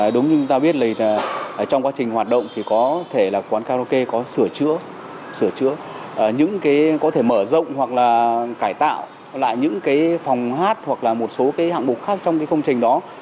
đúng như người ta biết là trong quá trình hoạt động thì có thể là quán karaoke có sửa chữa sửa chữa có thể mở rộng hoặc là cải tạo lại những phòng hát hoặc là một số hạng mục khác trong công trình đó